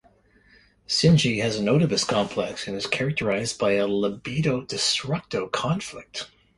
Shinji has an Oedipus complex, and is characterized by a libido-destrudo conflict.